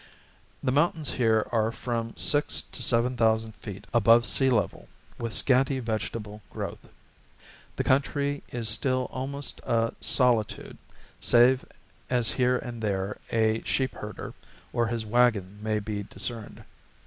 The mountains here are from six to seven thousand feet above sea level, with scanty vegetable growth. The country is still almost a solitude, save as here and there a sheep herder or his wagon may be discerned.